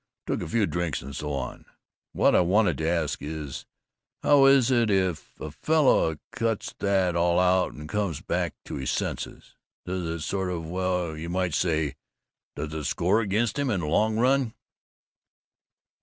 Took a few drinks and so on. What I wanted to ask is: How is it if a fellow cuts that all out and comes back to his senses? Does it sort of, well, you might say, does it score against him in the long run?"